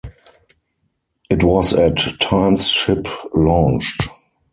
It was at times ship-launched.